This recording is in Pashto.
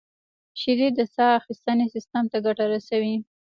• شیدې د ساه اخیستنې سیستم ته ګټه رسوي.